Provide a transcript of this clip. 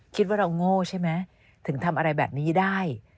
คิดว่าเราโง่ใช่ไหมถึงทำอะไรแบบนี้ได้